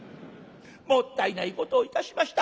「もったいないことをいたしました。